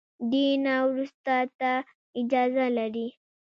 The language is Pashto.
دې نه وروسته ته اجازه لري.